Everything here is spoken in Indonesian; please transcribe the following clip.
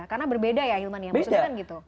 karena berbeda ya hilmania